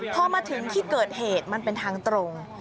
พอมาถึงที่เกิดเหตุมันเป็นทางตรง